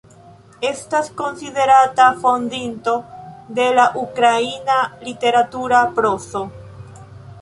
Estas konsiderata fondinto de la ukraina literatura prozo.